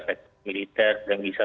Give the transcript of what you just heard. sektor militer yang bisa